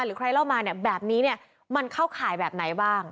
หรือใครเล่ามาเนี่ยแบบนี้เนี่ยมันเข้าข่ายแบบไหนบ้าง